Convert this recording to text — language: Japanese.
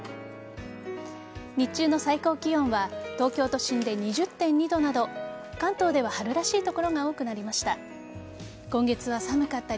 日中の最高気温は東京都心で２０．２度など関東では春らしい所が多くなりました。